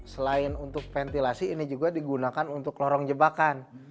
selain untuk ventilasi ini juga digunakan untuk lorong jebakan